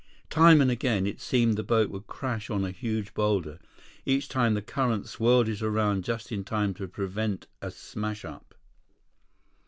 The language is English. Time and again, it seemed the boat would crash on a huge boulder. Each time the current swirled it around just in time to prevent a smashup.